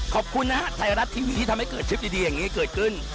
ขอบคุณนะฮะไทยรัฐทีวีที่ทำให้เกิดทริปดีอย่างนี้เกิดขึ้น